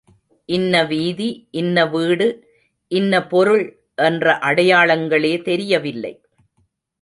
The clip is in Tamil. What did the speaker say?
இன்ன வீதி, இன்ன வீடு, இன்ன பொருள் என்ற அடையாளங்களே தெரியவில்லை.